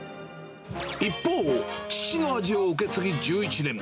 一方、父の味を受け継ぎ１１年。